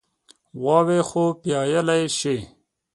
غواوې خو پيايلی شي.